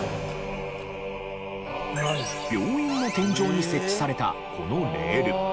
病院の天井に設置されたこのレール。